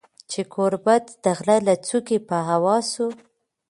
چي ګوربت د غره له څوکي په هوا سو